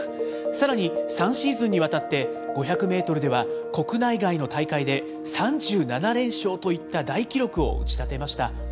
さらに３シーズンにわたって、５００メートルでは国内外の大会で、３７連勝といった大記録を打ち立てました。